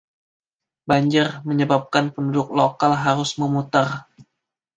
Banjir menyebabkan penduduk lokal harus memutar.